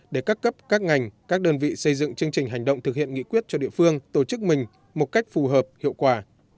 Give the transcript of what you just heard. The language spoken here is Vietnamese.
để các cấp các ngành các đơn vị xây dựng chương trình hành động thực hiện nghị quyết cho địa phương tổ chức mình một cách phù hợp hiệu quả